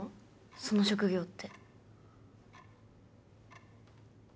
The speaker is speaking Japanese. その職業って。